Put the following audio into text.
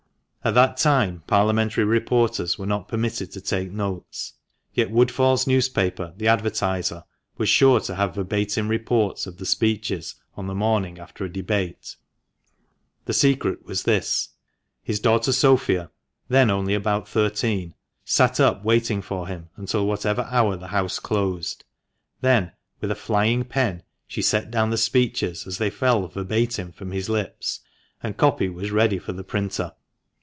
At that time Parliamentary reporters were not permitted to take notes. Yet Woodfall's newspaper, The Advertiser, was sure to have verbatim reports of the speeches on the morning after a debate. The secret was this : His daughter Sophia, then only about thirteen, sat up waiting for him until whatever hour the House closed. Then, with a flying pen, she set down the speeches as they fell verbatim .rom his lips, and "copy" was ready for the printer.